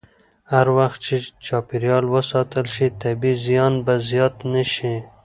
هر وخت چې چاپېریال وساتل شي، طبیعي زیان به زیات نه شي.